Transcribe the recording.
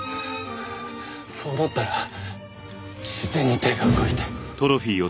そう思ったら自然に手が動いて。